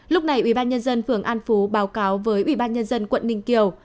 lúc này ủy ban nhân dân phường an phú báo cáo với ủy ban nhân dân quận ninh kiều